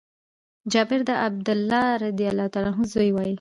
جابر د عبدالله رضي الله عنه زوی وايي :